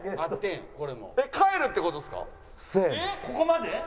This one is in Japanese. ここまで！？